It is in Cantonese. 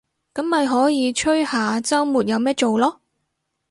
噉咪可以吹下週末有咩做囉